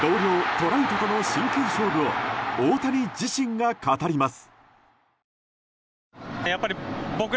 トラウトとの真剣勝負を大谷自身が語ります。